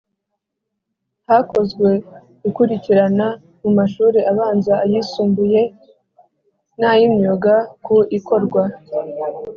Hakozwe ikurikirana mu mashuri abanza ayisumbuye n ay imyuga ku ikorwa